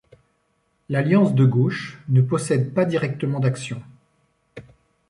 L'Alliance de gauche ne possède pas directement d'actions.